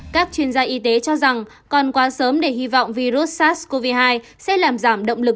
các chuyên gia y tế cho rằng còn quá sớm để hy vọng virus sars cov hai sẽ làm giảm động lực